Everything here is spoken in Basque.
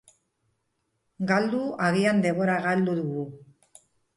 Galdu, agian denbora galdu dugu.